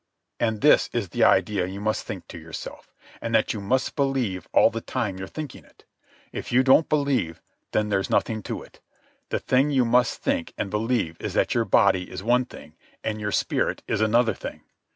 "And this is the idea you must think to yourself, and that you must believe all the time you're thinking it. If you don't believe, then there's nothing to it. The thing you must think and believe is that your body is one thing and your spirit is another thing.